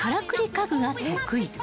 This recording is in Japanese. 家具が得意］